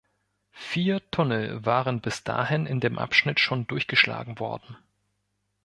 Vier Tunnel waren bis dahin in dem Abschnitt schon durchgeschlagen worden.